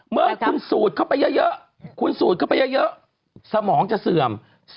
๒เมื่อคุณสูดเข้าไปเยอะสมองจะเสื่อม